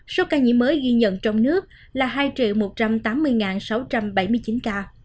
số ca nhiễm mới ghi nhận trong nước là hai một trăm tám mươi sáu trăm bảy mươi chín ca